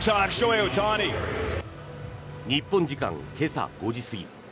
日本時間今朝５時過ぎ